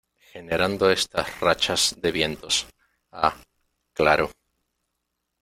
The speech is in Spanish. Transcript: generando estas rachas de vientos. ah, claro .